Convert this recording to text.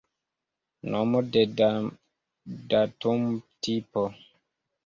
Nomo de datumtipo.